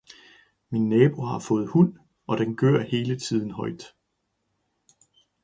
Min nabo har fået hund, og den gør hele tiden højt.